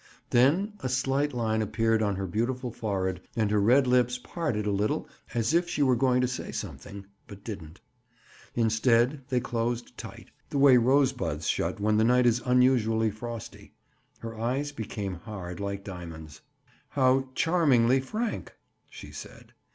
Then a slight line appeared on her beautiful forehead and her red lips parted a little as if she were going to say something, but didn't. Instead, they closed tight, the way rosebuds shut when the night is unusually frosty. Her eyes became hard like diamonds. "How charmingly frank!" she said.